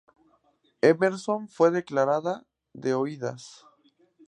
Emerson fue declarada de oídas.